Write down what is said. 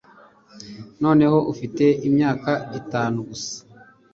Noneho ufite imyaka itanu gusa